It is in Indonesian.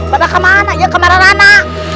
pada kemana ya kemaran anak